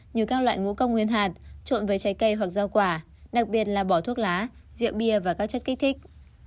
như các loại ngũ công nguyên hạt trộn với trái cây hoặc rau quả đặc biệt là bỏ thuốc lá rượu bia và các chất kích thích